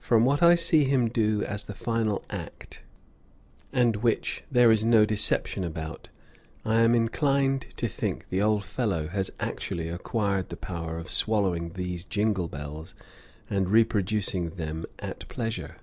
From what I see him do as the final act, and which there is no deception about, I am inclined to think the old fellow has actually acquired the power of swallowing these jingal balls and reproducing them at pleasure.